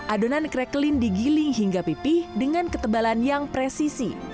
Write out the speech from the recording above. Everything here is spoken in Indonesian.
adonan crequine digiling hingga pipih dengan ketebalan yang presisi